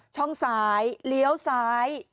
ช่องซ้ายเลี้ยวซ้าย